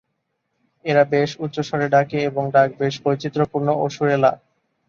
এরা বেশ উচ্চস্বরে ডাকে এবং ডাক বেশ বৈচিত্র্যপূর্ণ ও সুরেলা।